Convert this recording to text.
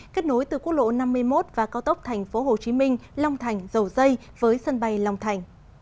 kết nối từ quốc lộ năm mươi một và cao tốc tp hcm long thành dầu dây với sân bay long thành